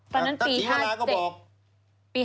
ท่านศรีวราก็บอกตอนนั้นปี๕๗